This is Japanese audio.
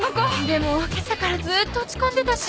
でもけさからずっと落ち込んでたし。